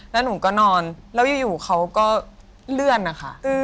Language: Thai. แล้วหนูก็นอนแล้วอยู่เขาก็เลื่อนนะคะ